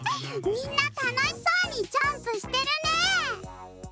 みんなたのしそうにジャンプしてるね。